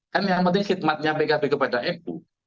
kan yang penting khidmatnya pkb kepada nu